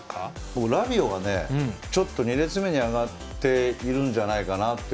僕、ラビオがちょっと２列目に上がっているんじゃないかなって。